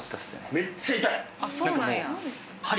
めっちゃ痛い！